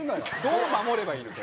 どう守ればいいの？